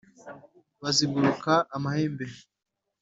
Baziguruka amahembe